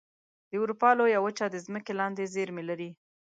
د اروپا لویه وچه د ځمکې لاندې زیرمې لري.